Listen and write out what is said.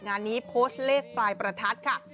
งานนี้โพสต์เลขปลายประทัดค่ะ